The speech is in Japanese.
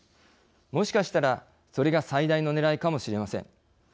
もしかしたらそれが最大のねらいかもしれません。